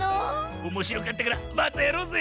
おもしろかったからまたやろうぜ！